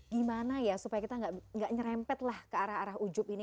gimana ya supaya kita enggak nyerempetlah ke arah arah ujub ini